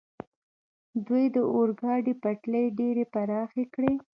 دوی د اورګاډي پټلۍ ډېرې پراخې کړې.